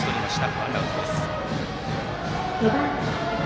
ワンアウトです。